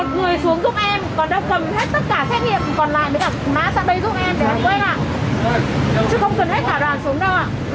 chứ không cần hết thả đoàn súng đâu ạ